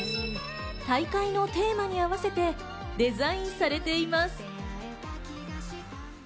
大会のテーマに合わせてデザインされています。